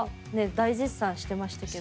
大絶賛してましたけど。